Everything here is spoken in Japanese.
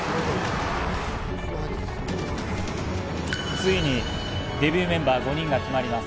ついにデビューメンバー５人が決まります。